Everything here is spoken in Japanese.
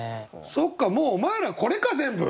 そっかもうお前らこれか全部。